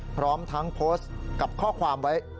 พร้อมทั้งโพสต์กับข้อความไว้